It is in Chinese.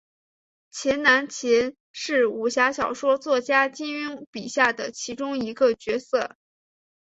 秦南琴是武侠小说作家金庸笔下的其中一个角色。